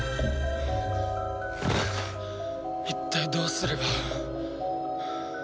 一体どうすれば。